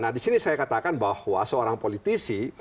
nah disini saya katakan bahwa seorang politisi